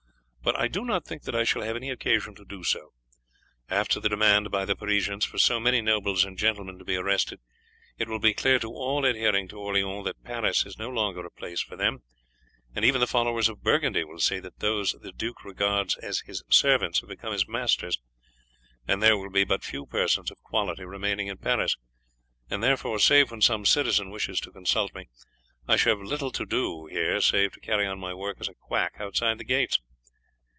But I do not think that I shall have any occasion to do so. After the demand by the Parisians for so many nobles and gentlemen to be arrested, it will be clear to all adhering to Orleans that Paris is no longer a place for them, and even the followers of Burgundy will see that those the duke regarded as his servants have become his masters, and there will be but few persons of quality remaining in Paris, and therefore, save when some citizen wishes to consult me, I shall have little to do here save to carry on my work as a quack outside the gates.